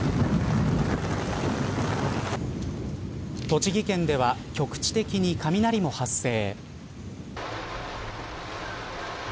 栃木県では局地的に雷も発生。